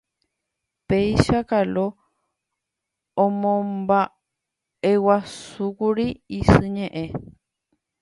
Péicha Kalo omomba'eguasúkuri isy ñe'ẽ